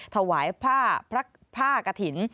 ถวายผ้ากระถิ่น